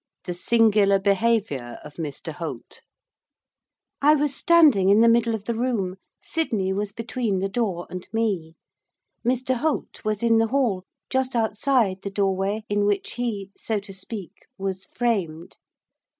THE SINGULAR BEHAVIOUR OF MR HOLT I was standing in the middle of the room, Sydney was between the door and me; Mr Holt was in the hall, just outside the doorway, in which he, so to speak, was framed.